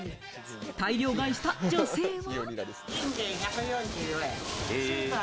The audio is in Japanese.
大量買いした女性は。